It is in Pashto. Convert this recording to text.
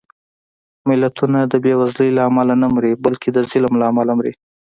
ملتونه د بېوزلۍ له امله نه مري، بلکې د ظلم له امله مري